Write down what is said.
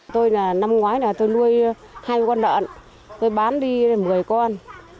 tôi là năm ngoái là tôi nuôi hai mươi con đợn tôi bán đi một mươi con